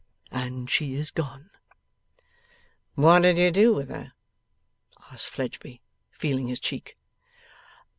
And she is gone.' 'What did you do with her?' asked Fledgeby, feeling his cheek.